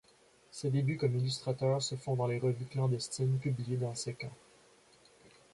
Ses débuts comme illustrateur se font dans les revues clandestines publiées dans ces camps.